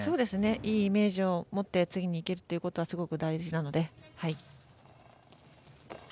いいイメージを持って次にいけることはすごく大事なので。